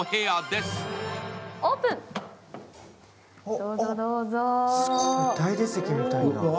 すごい、大理石みたいな。